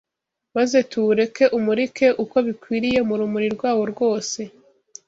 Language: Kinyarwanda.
maze tuwureke umurike uko bikwiriye, mu rumuri rwawo rwose.